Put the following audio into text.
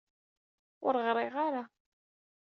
Ur ɣṛiɣ ara.